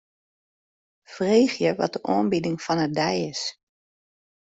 Freegje wat de oanbieding fan 'e dei is.